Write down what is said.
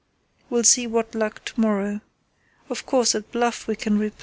Will see what luck to morrow. Of course, at Bluff we can replenish."